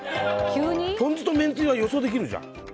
ポン酢とめんつゆは予想できるじゃん。